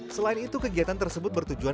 selain itu kegiatan tersebut bertujuan